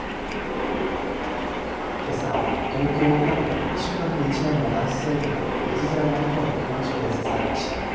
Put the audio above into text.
けさ東京大田区で中学１年の男子生徒が突然、男に包丁で刺されました。